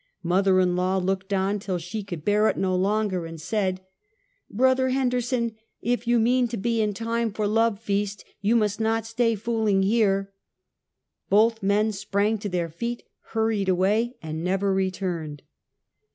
Mother in law looked on till she could bear it no longer, and said :" Brother Henderson, if you mean to be in time for love feast, you must not stay fooling there." Both men sprang to their feet, hurried away and never returned.